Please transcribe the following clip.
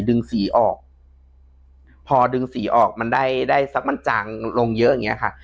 ดึงสีออกพอดึงสีออกมันได้ได้สักมันจางลงเยอะอย่างเงี้ยค่ะ